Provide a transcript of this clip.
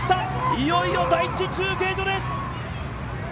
いよいよ第１中継所です。